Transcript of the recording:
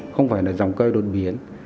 không phải là dòng cây đột biến